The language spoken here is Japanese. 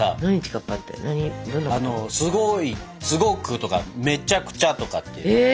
あのすごいすごくとかめちゃくちゃとかって。